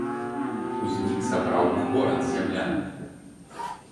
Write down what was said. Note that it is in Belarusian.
Узнік сапраўдны горад з зямлянак.